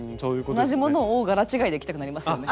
同じ物を柄違いで着たくなりますよね？